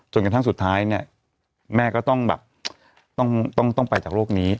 กระทั่งสุดท้ายเนี่ยแม่ก็ต้องแบบต้องไปจากโรคนี้